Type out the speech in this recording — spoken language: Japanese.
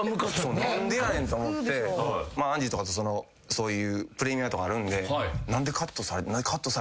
何でやねんと思ってアンジーとかとそういうプレミアとかあるんで。